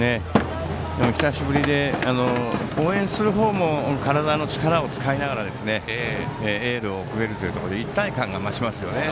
久しぶりで応援する方も体の力を使いながらエールを送れるというところで一体感が増しますよね。